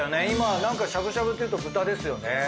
今はなんかしゃぶしゃぶっていうと豚ですよね。